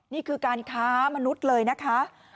นี่คือการค้ามนุษย์เลยนะคะ